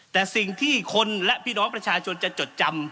แต่สิ่งที่คนและพี่น้องประชาชนจะจดจำ